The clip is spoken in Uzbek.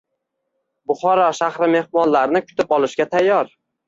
Buxoro shahri mehmonlarni kutib olishga tayyor